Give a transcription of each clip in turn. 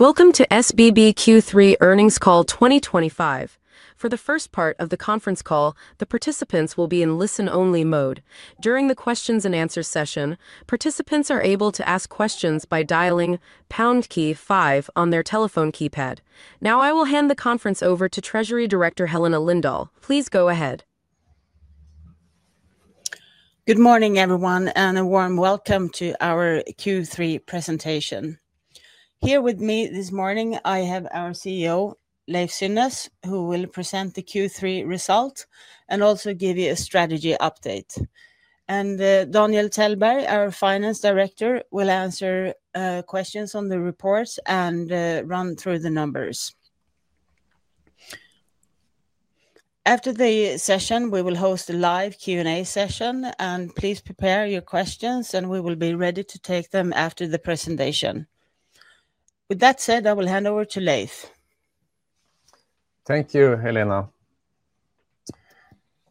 Welcome to SBB Q3 earnings call 2025. For the first part of the conference call, the participants will be in listen-only mode. During the questions-and-answers session, participants are able to ask questions by dialing pound key-five on their telephone keypad. Now, I will hand the conference over to Treasury Director Helena Lindahl. Please go ahead. Good morning, everyone, and a warm welcome to our Q3 presentation. Here with me this morning, I have our CEO, Leiv Synnes, who will present the Q3 result and also give you a strategy update. Daniel Tellberg, our Finance Director, will answer questions on the report and run through the numbers. After the session, we will host a live Q&A session. Please prepare your questions, and we will be ready to take them after the presentation. With that said, I will hand over to Leiv. Thank you, Helena.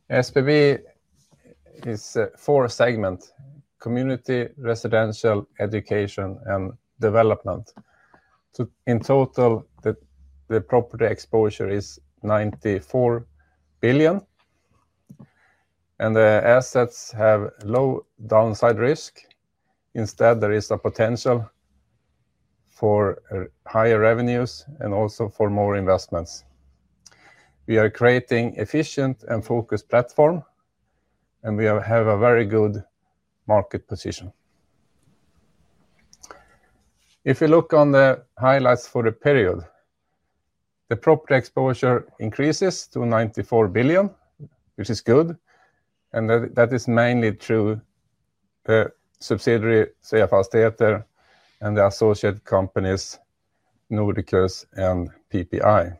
SBB is four segments: community, residential, education, and development. In total, the property exposure is 94 billion. The assets have low downside risk. Instead, there is a potential for higher revenues and also for more investments. We are creating an efficient and focused platform. We have a very good market position. If you look on the highlights for the period, the property exposure increases to 94 billion, which is good. That is mainly through subsidiary Sveafastigheter and the associated companies Nordicus and PPI.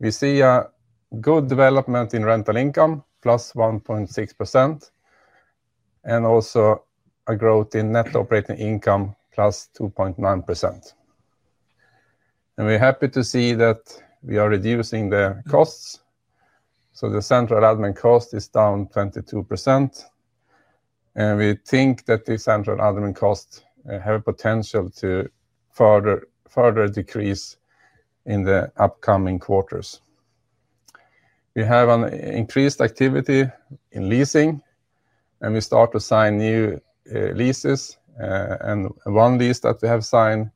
We see a good development in rental income, +1.6%. Also a growth in net operating income, +2.9%. We are happy to see that we are reducing the costs. The central admin cost is down 22%. We think that the central admin costs have a potential to further decrease in the upcoming quarters. We have an increased activity in leasing, and we start to sign new leases. One lease that we have signed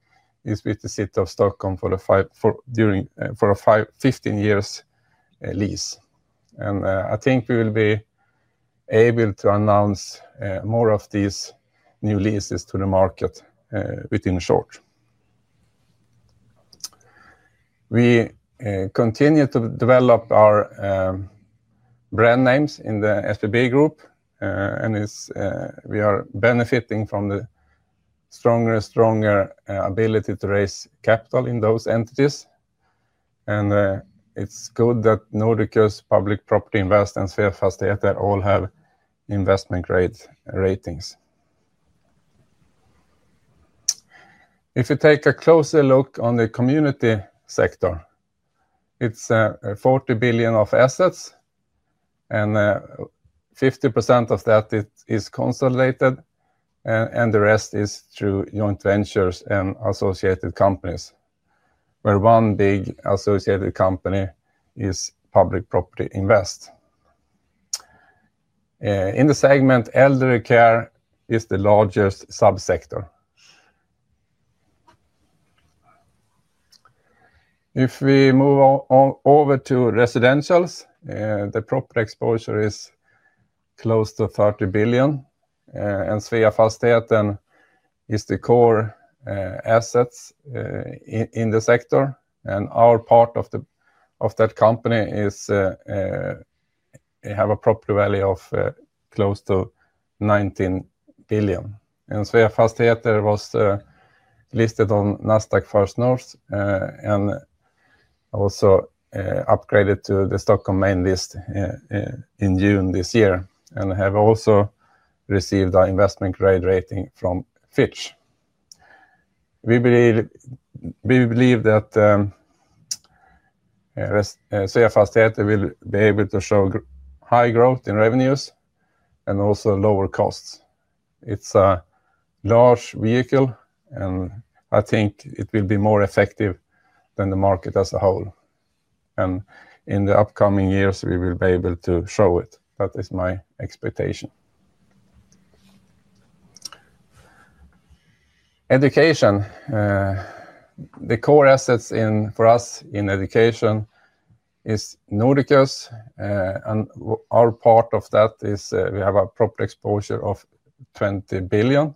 is with the City of Stockholm for a 15-year lease. I think we will be able to announce more of these new leases to the market within short. We continue to develop our brand names in the SBB Group. We are benefiting from the stronger and stronger ability to raise capital in those entities. It is good that Nordicus, Public Property Invest, and Sveafastigheter all have investment grades. If you take a closer look on the community sector, it is SEK 40 billion of assets. 50% of that is consolidated, and the rest is through joint ventures and associated companies, where one big associated company is Public Property Invest. In the segment, elderly care is the largest subsector. If we move over to residentials, the property exposure is close to 30 billion. Sveafastigheter is the core asset in the sector, and our part of that company has a property value of close to 19 billion. Sveafastigheter was listed on Nasdaq First North and also upgraded to the Stockholm main list in June this year and has also received an investment grade rating from Fitch. We believe that Sveafastigheter will be able to show high growth in revenues and also lower costs. It is a large vehicle, and I think it will be more effective than the market as a whole. In the upcoming years, we will be able to show it. That is my expectation. Education, the core assets for us in education is Nordicus, and our part of that is we have a property exposure of 20 billion.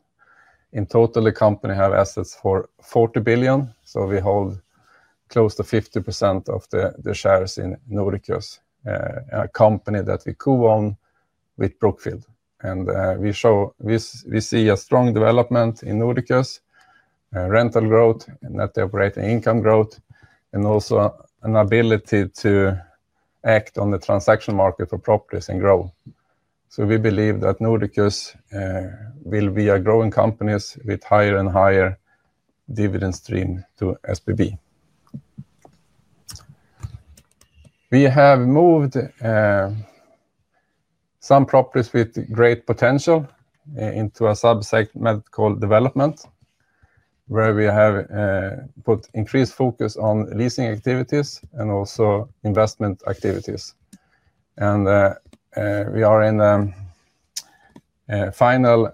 In total, the company has assets for 40 billion. We hold close to 50% of the shares in Nordicus, a company that we co-own with Brookfield. We see a strong development in Nordicus: rental growth, net operating income growth, and also an ability to act on the transaction market for properties and grow. We believe that Nordicus will be a growing company with higher and higher dividend stream to SBB. We have moved some properties with great potential into a subsegment called development, where we have put increased focus on leasing activities and also investment activities. We are in the final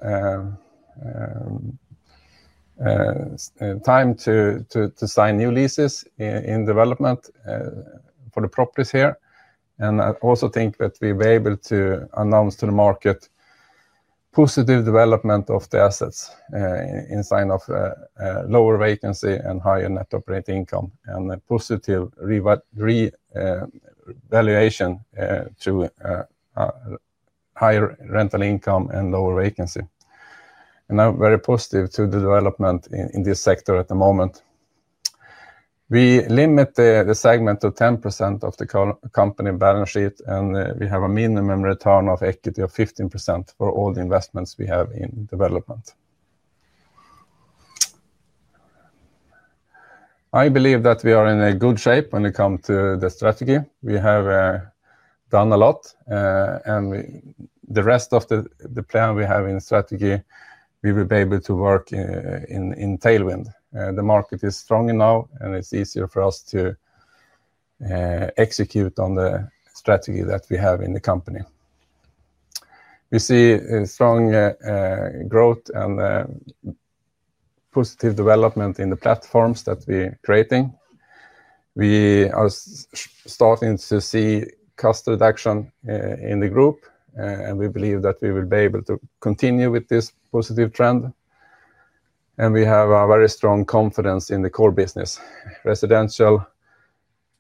time to sign new leases in development for the properties here. I also think that we'll be able to announce to the market positive development of the assets in sign of lower vacancy and higher net operating income and positive re-evaluation through higher rental income and lower vacancy. I am very positive to the development in this sector at the moment. We limit the segment to 10% of the company balance sheet, and we have a minimum return of equity of 15% for all the investments we have in development. I believe that we are in good shape when it comes to the strategy. We have done a lot. The rest of the plan we have in strategy, we will be able to work in tailwind. The market is strong enough, and it is easier for us to execute on the strategy that we have in the company. We see strong growth and positive development in the platforms that we are creating. We are starting to see cost reduction in the group, and we believe that we will be able to continue with this positive trend. We have a very strong confidence in the core business. Residential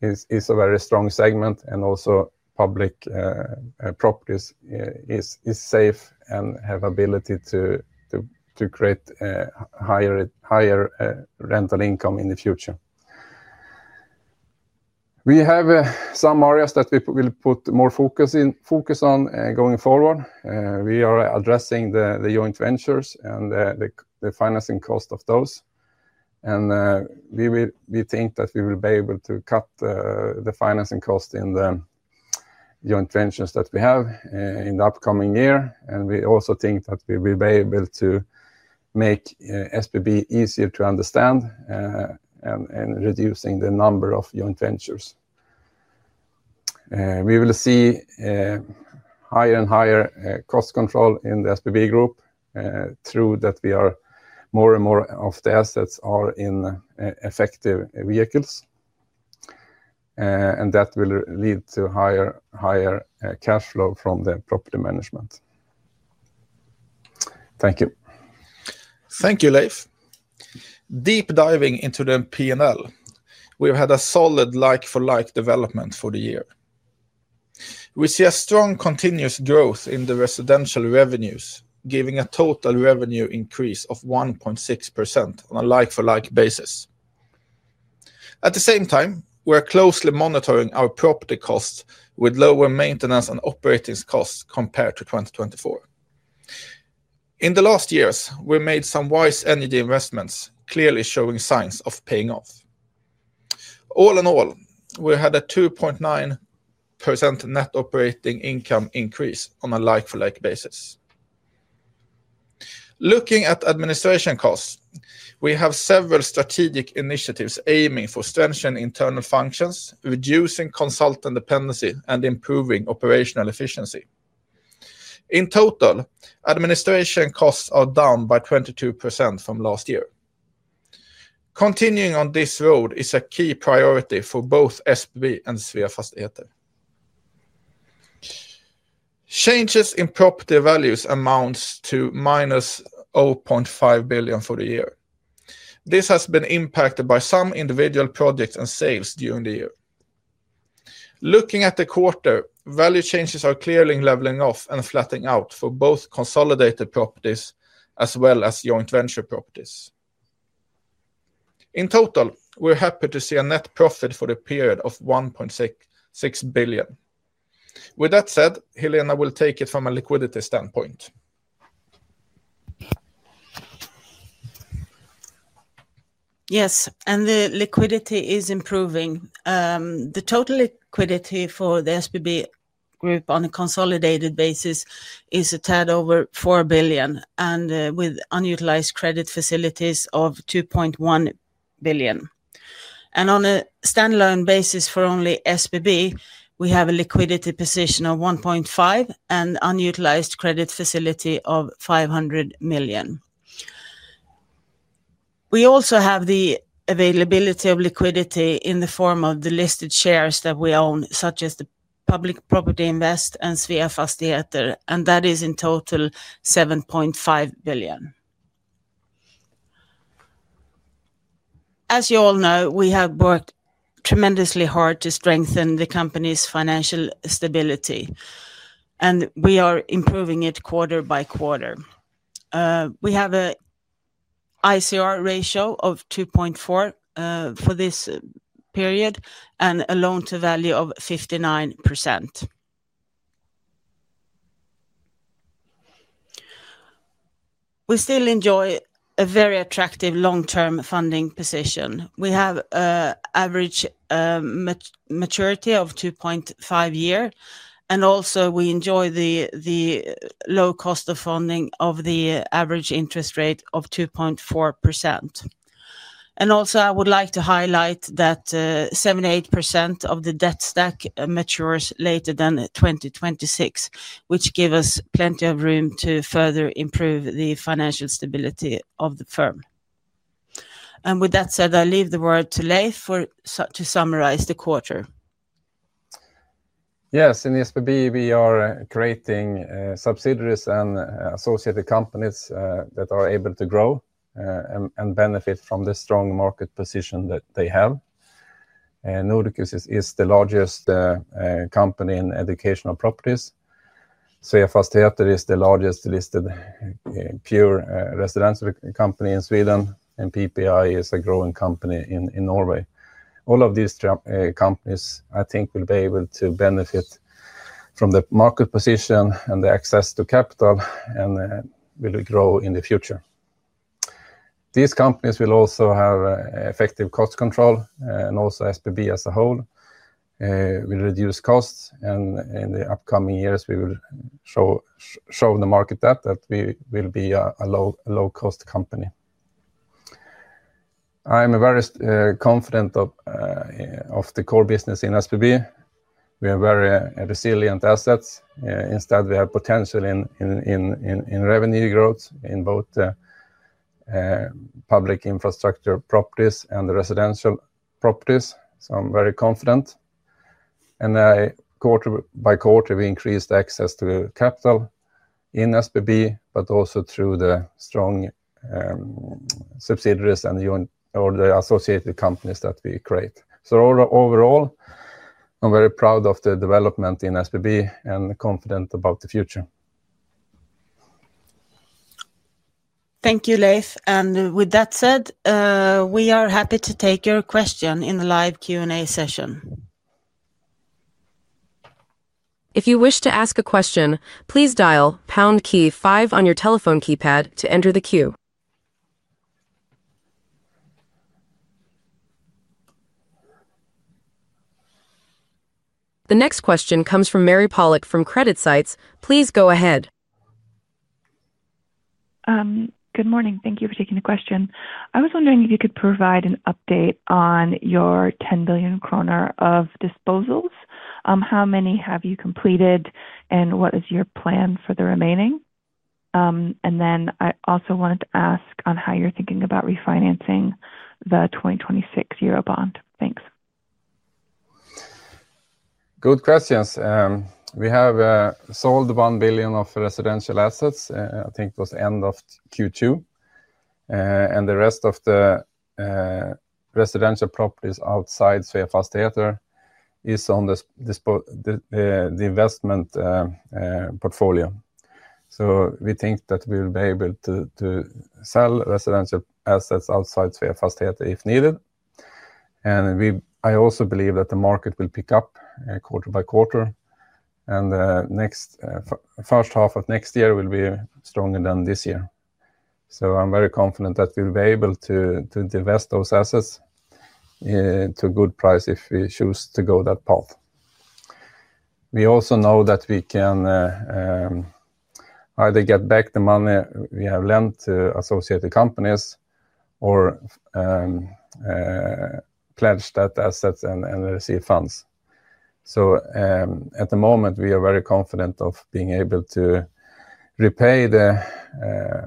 is a very strong segment, and also public properties is safe and has the ability to create higher rental income in the future. We have some areas that we will put more focus on going forward. We are addressing the joint ventures and the financing cost of those. We think that we will be able to cut the financing cost in the joint ventures that we have in the upcoming year. We also think that we will be able to make SBB easier to understand and reduce the number of joint ventures. We will see higher and higher cost control in the SBB Group. Through that, more and more of the assets are in effective vehicles, and that will lead to higher cash flow from the property management. Thank you. Thank you, Leif. Deep diving into the P&L, we've had a solid like-for-like development for the year. We see a strong continuous growth in the residential revenues, giving a total revenue increase of 1.6% on a like-for-like basis. At the same time, we're closely monitoring our property costs with lower maintenance and operating costs compared to 2024. In the last years, we made some wise energy investments, clearly showing signs of paying off. All in all, we had a 2.9% net operating income increase on a like-for-like basis. Looking at administration costs, we have several strategic initiatives aiming for strengthening internal functions, reducing consultant dependency, and improving operational efficiency. In total, administration costs are down by 22% from last year. Continuing on this road is a key priority for both SBB and Sveafastigheter. Changes in property values amount to minus 500 million for the year. This has been impacted by some individual projects and sales during the year. Looking at the quarter, value changes are clearly leveling off and flattening out for both consolidated properties as well as joint venture properties. In total, we're happy to see a net profit for the period of 1.6 billion. With that said, Helena, we'll take it from a liquidity standpoint. Yes, the liquidity is improving. The total liquidity for the SBB Group on a consolidated basis is a tad over 4 billion, with unutilized credit facilities of 2.1 billion. On a standalone basis for only SBB, we have a liquidity position of 1.5 billion and an unutilized credit facility of 500 million. We also have the availability of liquidity in the form of the listed shares that we own, such as Public Property Invest and Sveafastigheter, and that is in total 7.5 billion. As you all know, we have worked tremendously hard to strengthen the company's financial stability. We are improving it quarter by quarter. We have an ICR ratio of 2.4 for this period and a loan-to-value of 59%. We still enjoy a very attractive long-term funding position. We have an average maturity of 2.5 years, and also we enjoy the low cost of funding of the average interest rate of 2.4%. I would also like to highlight that 78% of the debt stack matures later than 2026, which gives us plenty of room to further improve the financial stability of the firm. With that said, I leave the word to Leif to summarize the quarter. Yes, in SBB, we are creating subsidiaries and associated companies that are able to grow and benefit from the strong market position that they have. Nordicus is the largest company in educational properties. Sveafastigheter is the largest listed pure residential company in Sweden, and PPI is a growing company in Norway. All of these companies, I think, will be able to benefit from the market position and the access to capital and will grow in the future. These companies will also have effective cost control, and also SBB as a whole will reduce costs, and in the upcoming years, we will show the market that we will be a low-cost company. I am very confident of the core business in SBB. We have very resilient assets. Instead, we have potential in revenue growth in both public infrastructure properties and residential properties. I am very confident. Quarter by quarter, we increased access to capital in SBB, but also through the strong subsidiaries and the associated companies that we create. Overall, I'm very proud of the development in SBB and confident about the future. Thank you, Leif. With that said, we are happy to take your question in the live Q&A session. If you wish to ask a question, please dial pound key five on your telephone keypad to enter the queue. The next question comes from Mary Pollock from CreditSights. Please go ahead. Good morning. Thank you for taking the question. I was wondering if you could provide an update on your 10 billion kronor of disposals. How many have you completed, and what is your plan for the remaining? I also wanted to ask on how you're thinking about refinancing the 2026 year bond. Thanks. Good questions. We have sold 1 billion of residential assets, I think, towards the end of Q2. The rest of the residential properties outside Sveafastigheter is on the investment portfolio. We think that we will be able to sell residential assets outside Sveafastigheter if needed. I also believe that the market will pick up quarter by quarter. The first half of next year will be stronger than this year. I am very confident that we will be able to divest those assets to a good price if we choose to go that path. We also know that we can either get back the money we have lent to associated companies or pledge that assets and receive funds. At the moment, we are very confident of being able to repay the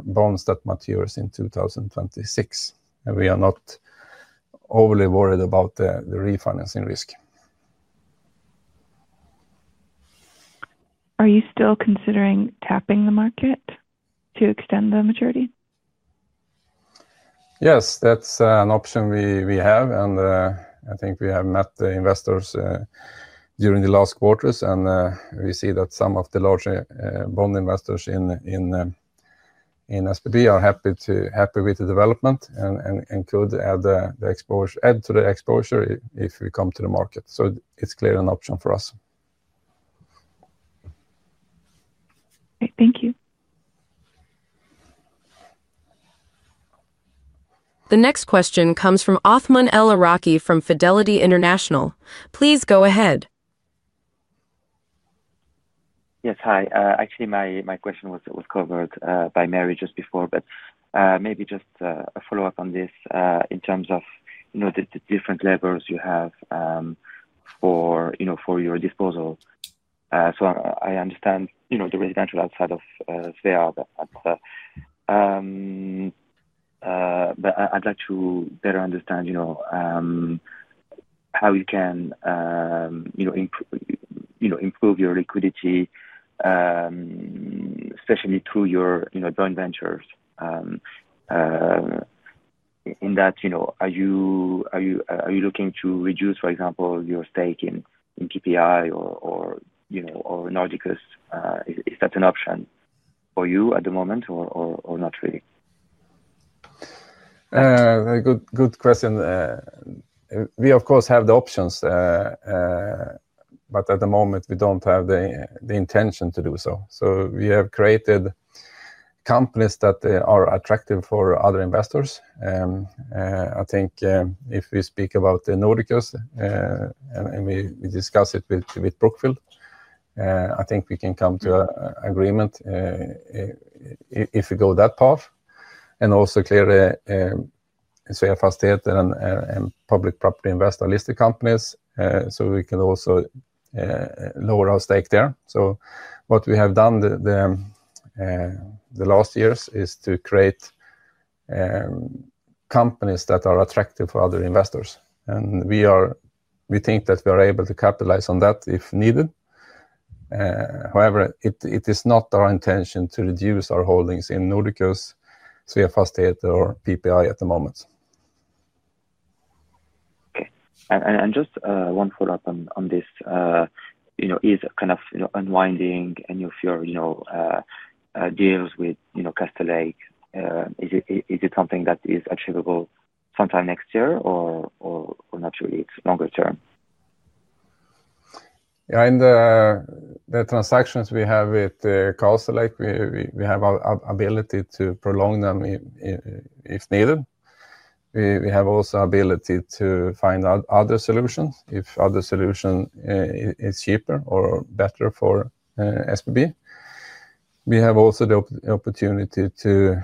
bonds that matures in 2026. We are not overly worried about the refinancing risk. Are you still considering tapping the market to extend the maturity? Yes, that's an option we have. I think we have met the investors during the last quarters. We see that some of the larger bond investors in SBB are happy with the development and could add to the exposure if we come to the market. It is clearly an option for us. Thank you. The next question comes from Othman El Iraki from Fidelity International. Please go ahead. Yes, hi. Actually, my question was covered by Mary just before, but maybe just a follow-up on this in terms of the different levels you have for your disposal. I understand the residential outside of Sveafastigheter, but I'd like to better understand how you can improve your liquidity, especially through your joint ventures. In that, are you looking to reduce, for example, your stake in PPI or Nordicus? Is that an option for you at the moment or not really? Good question. We, of course, have the options. At the moment, we do not have the intention to do so. We have created companies that are attractive for other investors. I think if we speak about Nordicus and we discuss it with Brookfield, I think we can come to an agreement if we go that path. Also, clearly, Sveafastigheter and Public Property Invest are listed companies, so we can also lower our stake there. What we have done the last years is to create companies that are attractive for other investors, and we think that we are able to capitalize on that if needed. However, it is not our intention to reduce our holdings in Nordicus, Sveafastigheter, or PPI at the moment. Okay. Just one follow-up on this. Is kind of unwinding any of your deals with Castellake something that is achievable sometime next year or not really, it's longer-term? Yeah, the transactions we have with Castellake, we have the ability to prolong them if needed. We have also the ability to find other solutions if other solutions are cheaper or better for SBB. We have also the opportunity to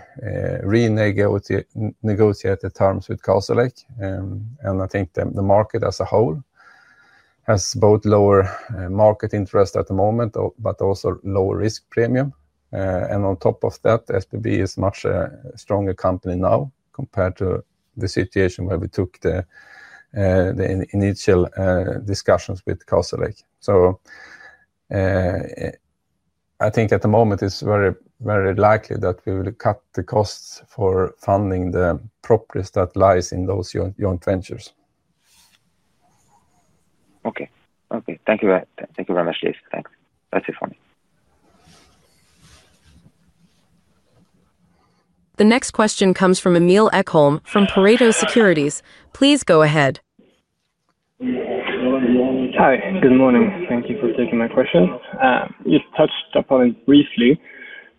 renegotiate the terms with Castellake, I think the market as a whole has both lower market interest at the moment, but also lower risk premium. On top of that, SBB is a much stronger company now compared to the situation where we took the initial discussions with Castellake. I think at the moment, it's very likely that we will cut the costs for funding the properties that lie in those joint ventures. Okay. Okay. Thank you very much, Leif. Thanks. That's it for me. The next question comes from Emil Ekholm from Pareto Securities. Please go ahead. Hi. Good morning. Thank you for taking my question. You touched upon it briefly,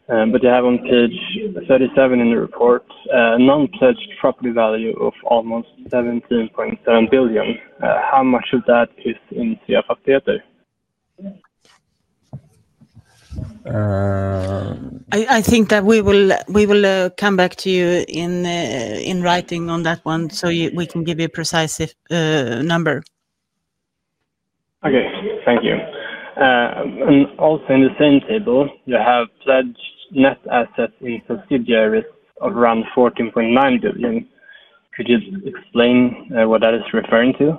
but you have on page 37 in the report a non-pledged property value of almost 17.7 billion. How much of that is in Sveafastigheter? I think that we will come back to you in writing on that one so we can give you a precise number. Okay. Thank you. Also in the same table, you have pledged net assets in subsidiaries of around 14.9 billion. Could you explain what that is referring to?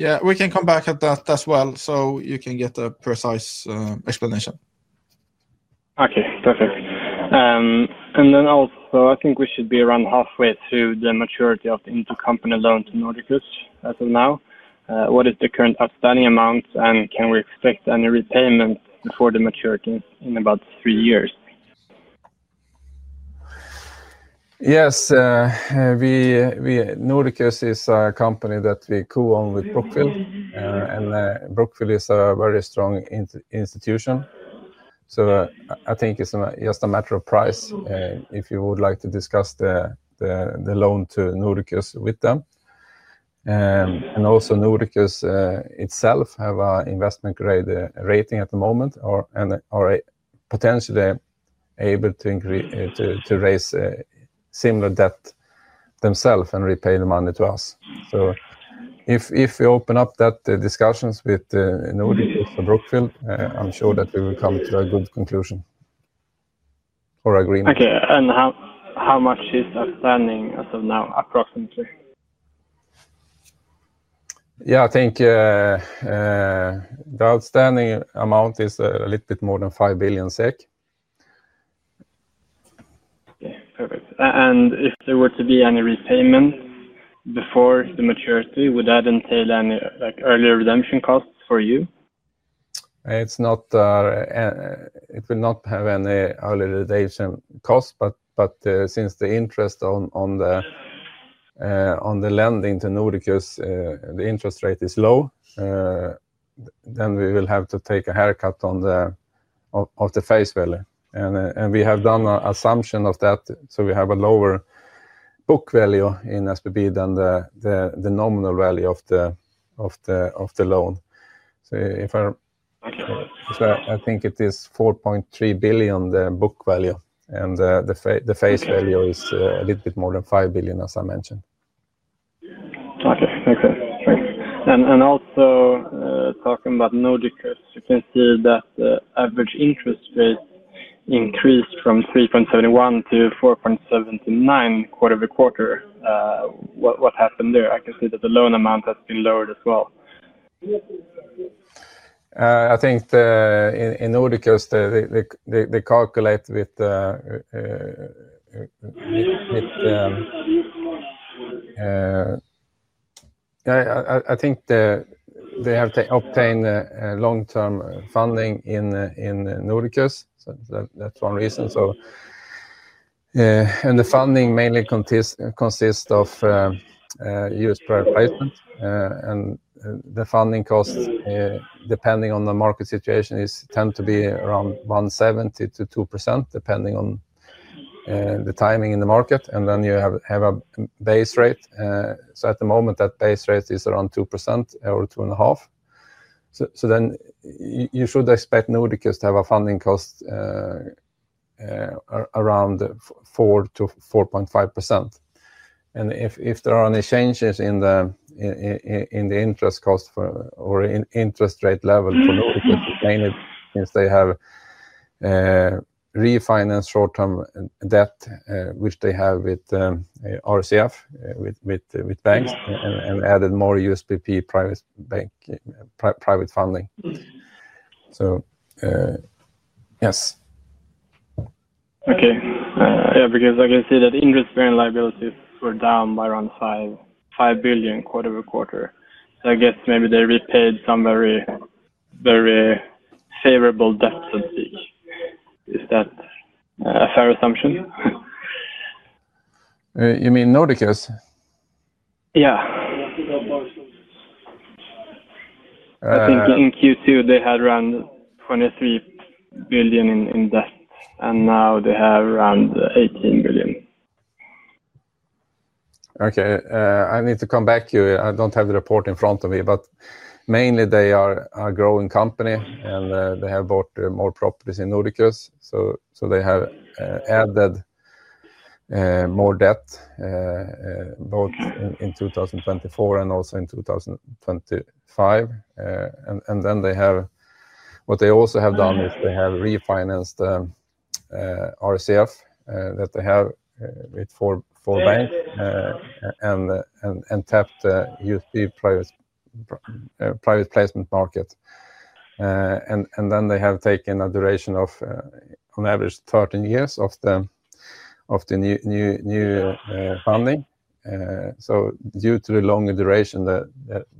Yeah, we can come back at that as well so you can get a precise explanation. Okay. Perfect. I think we should be around halfway through the maturity of the intercompany loan to Nordicus as of now. What is the current outstanding amount, and can we expect any repayment before the maturity in about three years? Yes. Nordicus is a company that we co-own with Brookfield. Brookfield is a very strong institution. I think it is just a matter of price if you would like to discuss the loan to Nordicus with them. Also, Nordicus itself has an investment-grade rating at the moment and is potentially able to raise similar debt themselves and repay the money to us. If we open up that discussion with Nordicus or Brookfield, I am sure that we will come to a good conclusion or agreement. Okay. How much is outstanding as of now, approximately? Yeah, I think. The outstanding amount is a little bit more than 5 billion SEK. Okay. Perfect. If there were to be any repayment before the maturity, would that entail any earlier redemption costs for you? It will not have any earlier redemption costs. Since the interest on the lending to Nordicus, the interest rate is low. We will have to take a haircut of the face value. We have done an assumption of that. We have a lower book value in SBB than the nominal value of the loan. I think it is 4.3 billion, the book value. The face value is a little bit more than 5 billion, as I mentioned. Okay. Okay. Thanks. Also, talking about Nordicus, you can see that the average interest rate increased from 3.71% to 4.79% quarter by quarter. What happened there? I can see that the loan amount has been lowered as well. I think in Nordicus, they calculate with, I think, they have to obtain long-term funding in Nordicus. That is one reason. The funding mainly consists of used prior placement, and the funding costs, depending on the market situation, tend to be around 1.70%-2%, depending on the timing in the market. You have a base rate. At the moment, that base rate is around 2% or 2.5%. You should expect Nordicus to have a funding cost around 4%-4.5%. If there are any changes in the interest cost or interest rate level for Nordicus, mainly since they have refinanced short-term debt, which they have with RCF, with banks, and added more USPP private funding. Yes. Okay. Yeah, because I can see that interest-bearing liabilities were down by around 5 billion quarter by quarter. I guess maybe they repaid some very favorable debt, so to speak. Is that a fair assumption? You mean Nordicus? Yeah. I think in Q2, they had around 23 billion in debt, and now they have around 18 billion. Okay. I need to come back to you. I do not have the report in front of me. Mainly, they are a growing company, and they have bought more properties in Nordicus. They have added more debt, both in 2024 and also in 2025. What they also have done is they have refinanced the RCF that they have with four banks and tapped the USPP private placement market. They have taken a duration of, on average, 13 years of the new funding. Due to the longer duration, there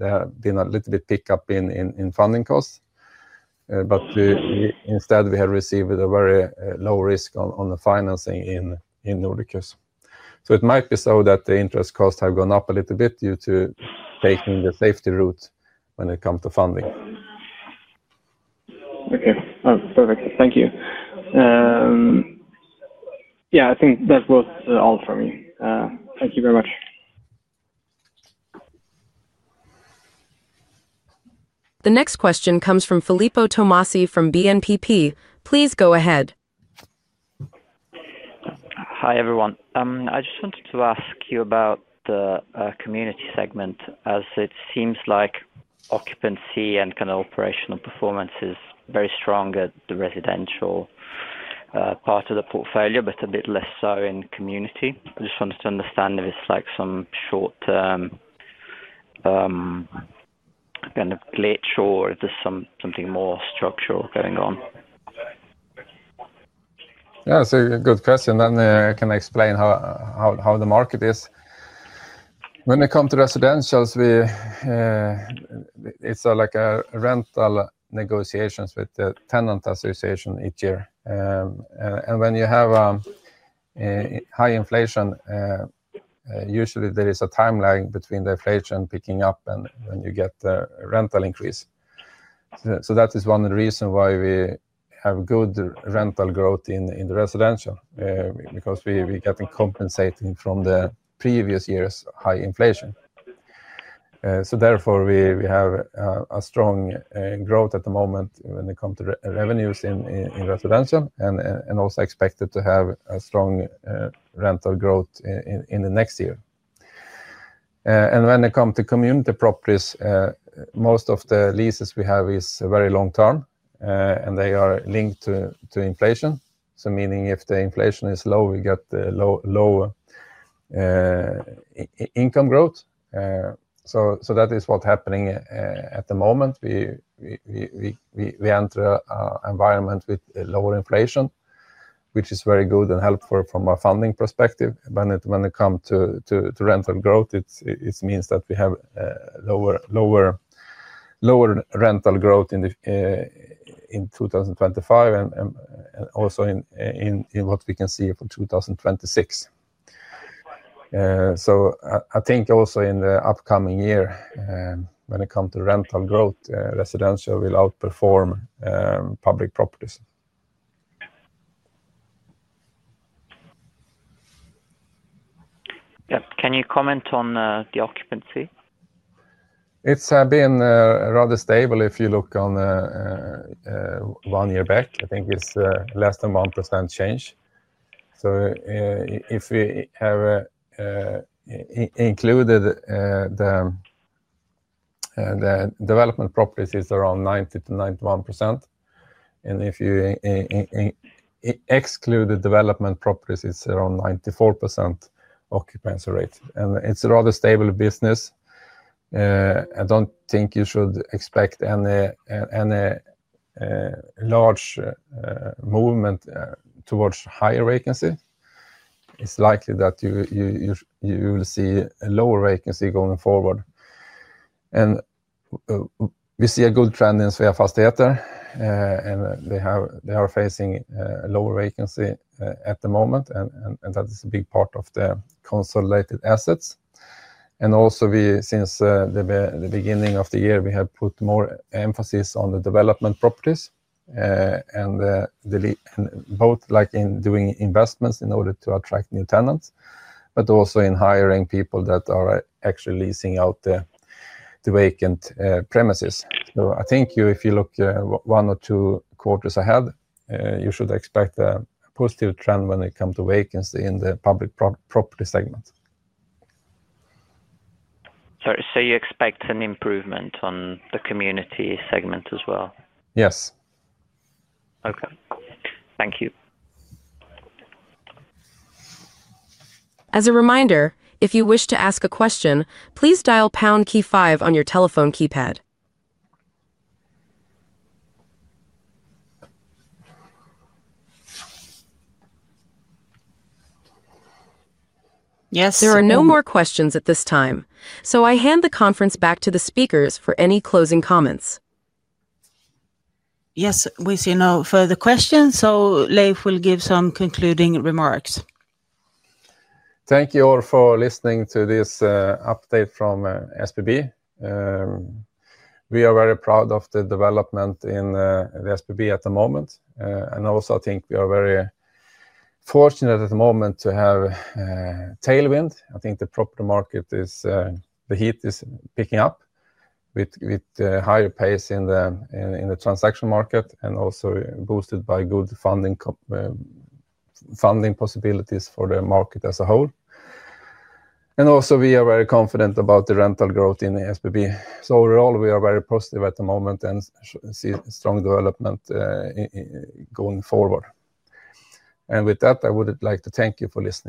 has been a little bit of pickup in funding costs. Instead, we have received a very low risk on the financing in Nordicus. It might be that the interest costs have gone up a little bit due to taking the safety route when it comes to funding. Okay. Perfect. Thank you. Yeah, I think that was all for me. Thank you very much. The next question comes from [Filippo Tomassi] from BNPP. Please go ahead. Hi everyone. I just wanted to ask you about the community segment, as it seems like occupancy and kind of operational performance is very strong at the residential part of the portfolio, but a bit less so in community. I just wanted to understand if it is like some short-term kind of glitch or if there is something more structural going on. Yeah, it's a good question. I can explain how the market is. When it comes to residential, it's like rental negotiations with the tenant association each year. When you have high inflation, usually there is a time lag between the inflation picking up and when you get the rental increase. That is one reason why we have good rental growth in the residential, because we get compensated from the previous year's high inflation. Therefore, we have strong growth at the moment when it comes to revenues in residential and also expect to have strong rental growth in the next year. When it comes to community properties, most of the leases we have are very long-term, and they are linked to inflation, meaning if the inflation is low, we get lower income growth. That is what's happening at the moment. We enter an environment with lower inflation, which is very good and helpful from a funding perspective. When it comes to rental growth, it means that we have lower rental growth in 2025 and also in what we can see for 2026. I think also in the upcoming year, when it comes to rental growth, residential will outperform public properties. Yeah. Can you comment on the occupancy? It's been rather stable if you look on one year back. I think it's less than 1% change. If we have included the development properties, it's around 90%-91%. If you exclude the development properties, it's around 94% occupancy rate. It's a rather stable business. I don't think you should expect any large movement towards higher vacancy. It's likely that you will see a lower vacancy going forward. We see a good trend in Sveafastigheter, and they are facing lower vacancy at the moment. That is a big part of the consolidated assets. Also, since the beginning of the year, we have put more emphasis on the development properties, both in doing investments in order to attract new tenants, but also in hiring people that are actually leasing out the vacant premises. I think if you look one or two quarters ahead, you should expect a positive trend when it comes to vacancy in the public property segment. Sorry. You expect an improvement on the community segment as well? Yes. Okay. Thank you. As a reminder, if you wish to ask a question, please dial pound key five on your telephone keypad. There are no more questions at this time. I hand the conference back to the speakers for any closing comments. Yes, we see no further questions. Leif will give some concluding remarks. Thank you all for listening to this update from SBB. We are very proud of the development in SBB at the moment. I think we are very fortunate at the moment to have tailwind. I think the property market, the heat is picking up with higher pace in the transaction market and also boosted by good funding possibilities for the market as a whole. We are very confident about the rental growth in SBB. Overall, we are very positive at the moment and see strong development going forward. With that, I would like to thank you for listening.